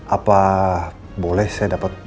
apa boleh saya dapet